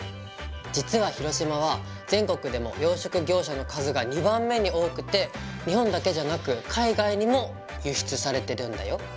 実は広島は全国でも養殖業者の数が２番目に多くて日本だけじゃなく海外にも輸出されてるんだよ。